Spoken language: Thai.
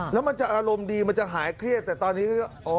แล้วมันจะอารมณ์ดีมันจะหายเครียดแต่ตอนนี้ก็